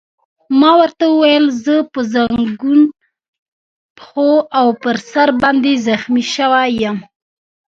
ما ورته وویل: زه په زنګون، پښو او پر سر باندې زخمي شوی یم.